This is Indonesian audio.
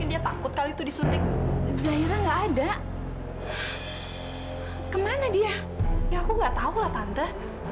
ya aku gak tau lah tante